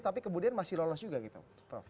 tapi kemudian masih lolos juga gitu prof